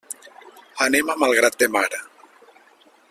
Anem a Malgrat de Mar.